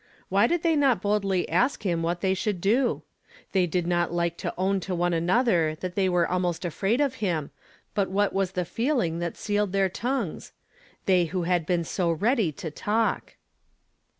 Why did they not boldly ask him what they sliould do? They did not like to own to one another that tbey were almost afraid of him, but what was the feeling that sealed their tongues? They who had been so ready to talk!